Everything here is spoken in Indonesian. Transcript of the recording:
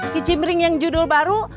kicimpring yang judul baru